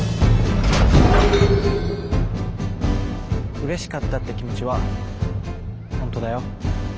うれしかったって気持ちは本当だよ。